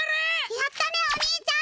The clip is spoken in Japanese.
やったねお兄ちゃん！